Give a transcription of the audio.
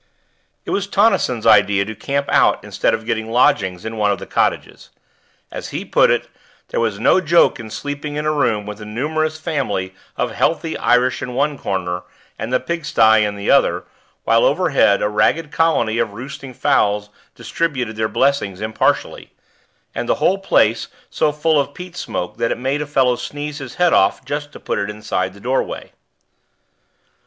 It was Tonnison's idea to camp out instead of getting lodgings in one of the cottages. As he put it, there was no joke in sleeping in a room with a numerous family of healthy Irish in one corner and the pigsty in the other, while overhead a ragged colony of roosting fowls distributed their blessings impartially, and the whole place so full of peat smoke that it made a fellow sneeze his head off just to put it inside the doorway.